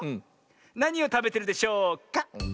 なにをたべてるでしょうか？